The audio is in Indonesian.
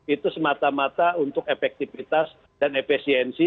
itu semata mata untuk efektivitas dan efisiensi